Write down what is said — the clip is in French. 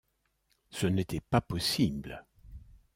Ce n’était pas possible!